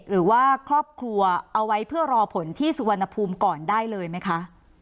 หรือว่าครอบครัวเอาไว้เพื่อรอผลที่สุวรรณภูมิก่อนได้เลยไหมคะ